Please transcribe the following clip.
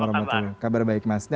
waalaikumsalam kabar baik mas